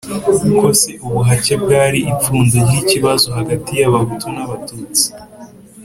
kose ubuhake bwari ipfundo ry ikibazo hagati y Abahutu n Abatutsi